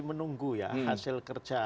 menunggu ya hasil kerja